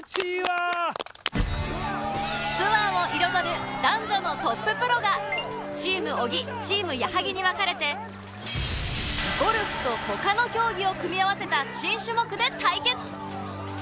ツアーを彩る男女のトッププロがチーム小木チーム矢作に分かれてゴルフと他の競技を組み合わせた新種目で対決！